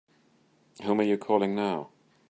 Whom are you calling now?